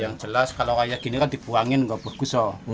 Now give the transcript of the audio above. yang jelas kalau kayak gini kan dibuangin nggak bagus lah